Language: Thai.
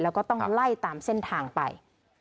แล้วก็ต้องไล่ตามเส้นทางไป